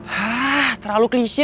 hah terlalu klise